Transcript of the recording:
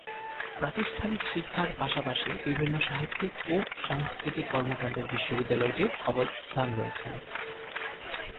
প্রাতিষ্ঠানিক শিক্ষার পাশাপাশি বিভিন্ন সাহিত্যিক ও সাংস্কৃতিক কর্মকান্ডের বিদ্যালয়টির অবদান রয়েছে।